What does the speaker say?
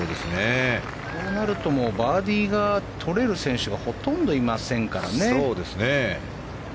こうなるとバーディーをとれる選手がほとんどいませんからね。